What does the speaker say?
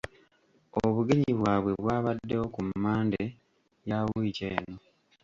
Obugenyi bwabwe bwabaddewo ku Mmande ya wiiki eno.